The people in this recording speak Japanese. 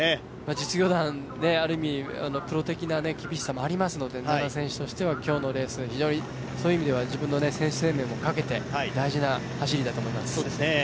実業団、ある意味プロ的な厳しさもありますので今日のレース、そういう意味では自分の選手生命もかけて、大事な走りだと思います。